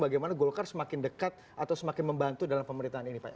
bagaimana golkar semakin dekat atau semakin membantu dalam pemerintahan ini pak